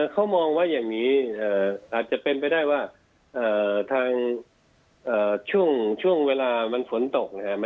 เขามองว่าอย่างนี้อาจจะเป็นไปได้ว่าทางช่วงเวลามันฝนตกนะครับ